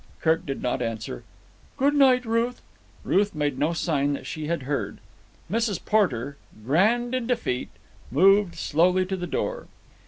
Kirk did not answer. "Good night, Ruth." Ruth made no sign that she had heard. Mrs. Porter, grand in defeat, moved slowly to the door.